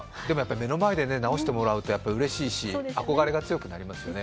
目の前で直してもらうとうれしいし、憧れが強くなりますよね。